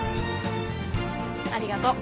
ありがとう。